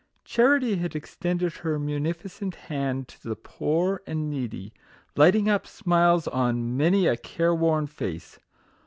Charity had extended her munificent hand to the poor and needy, lighting up smiles on many a care worn face.